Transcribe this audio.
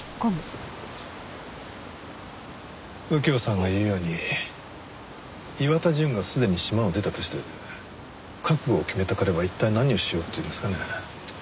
右京さんが言うように岩田純がすでに島を出たとして覚悟を決めた彼は一体何をしようっていうんですかね？